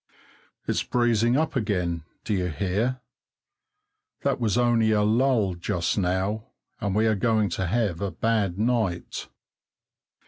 It's breezing up again, do you hear? That was only a lull just now, and we are going to have a bad night.